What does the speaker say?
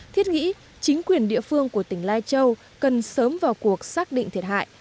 thiết nghĩ chính quyền địa phương của tỉnh lai châu cần sớm vào cuộc xác định thiệt hại